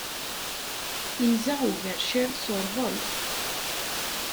Inza ugercal s urḍel.